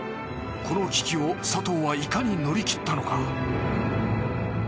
この危機を佐藤はいかに乗り切ったのか？